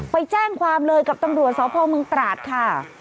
ไปแจ้งความเลยกับตังรัวเศร้าพลเมืองตราดค่ะ